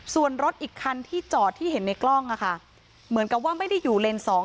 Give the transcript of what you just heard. ส่วนรถอีกคันที่จอดที่เห็นในกล้องอ่ะค่ะเหมือนกับว่าไม่ได้อยู่เลนสอง